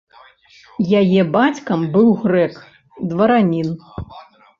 Яе бацькам быў грэк, дваранін.